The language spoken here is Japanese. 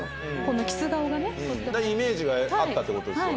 イメージがあったってことですよね。